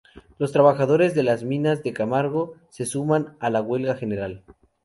Los trabajadores de las minas de Camargo se suman a la huelga general.